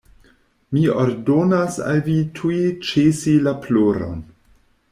"Mi ordonas al vi tuj ĉesi la ploron."